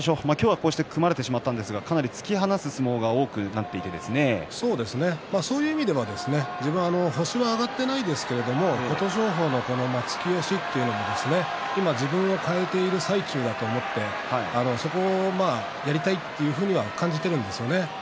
こうして組まれてしまったんですがそういう意味では星が挙がってないんですけれども琴勝峰の突き押しというのも今、自分を変えている最中だと思ってそこをやりたいというふうには感じているんですよね。